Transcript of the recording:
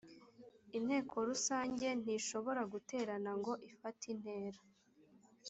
inteko rusange ntishobora guterana ngo ifateintera